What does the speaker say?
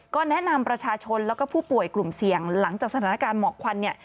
ก็แนะนำประชาชนแล้วก็ผู้ป่วยกลุ่มเสี่ยงหลังจากสถานการณ์หมอกควันเนี่ย